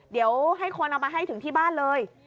เดี๋ยวให้คนเอามาให้ถึงที่บ้านเลย